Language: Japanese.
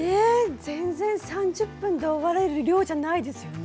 全然３０分で終われる量じゃないですよね